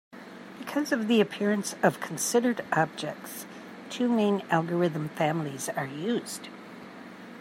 Because of the appearance of the considered objects, two main algorithm families are used.